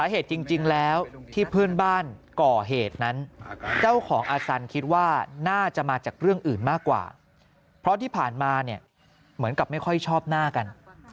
เห็นมากกว่าเพราะที่ผ่านมาเหมือนกับไม่ค่อยชอบหน้ากัน